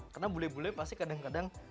karena bule bule pasti kadang kadang